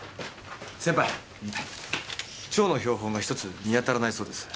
先輩蝶の標本が１つ見当たらないそうです。